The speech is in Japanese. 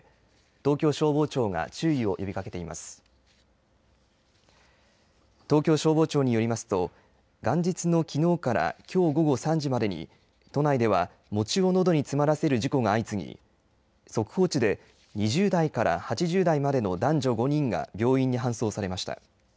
東京消防庁によりますと、元日のきのうからきょう午後３時までに、都内では餅をのどに詰まらせる事故が相次ぎ、速報値で、２０代から８０代までの男女５人が病院に搬送されました。